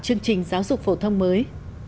chương trình giáo dục phổ thông mới